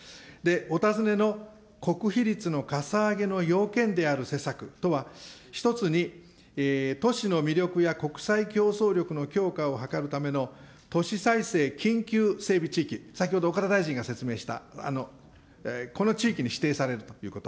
お尋ねの国費率のかさ上げの要件である施策とは、一つに都市の魅力や国際競争力の強化を図るための、都市再生緊急整備地域、先ほど岡田大臣が説明した、この地域に指定されるということ。